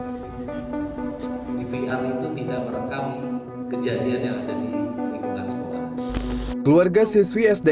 di vr itu tidak merekam kejadian yang ada di kelas sekolah